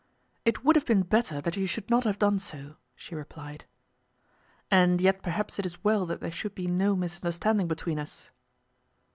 "It would have been better that you should not have done so," she replied. "And yet perhaps it is well that there should be no misunderstanding between us."